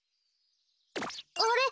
あれ？